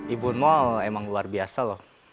ibu mall emang luar biasa loh